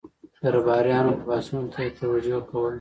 درباریانو لباسونو ته یې توجه کوله.